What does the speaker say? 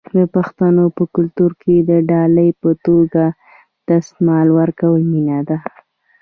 د پښتنو په کلتور کې د ډالۍ په توګه دستمال ورکول مینه ده.